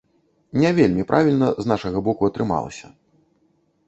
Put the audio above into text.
Не вельмі правільна з нашага боку атрымалася.